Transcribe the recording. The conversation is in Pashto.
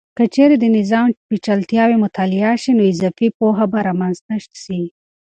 که چیرې د نظام پیچلتیاوې مطالعه سي، نو اضافي پوهه به رامنځته سي.